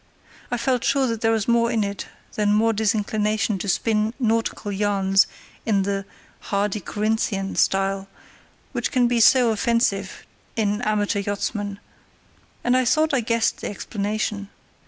I felt sure that there was more in it than mere disinclination to spin nautical yarns in the "hardy Corinthian" style, which can be so offensive in amateur yachtsmen; and I thought I guessed the explanation.